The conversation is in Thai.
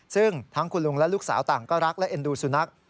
ซึ่งทั้งคุณลุงและลูกสาวต่างก็รักและเอ็นดูสุนัข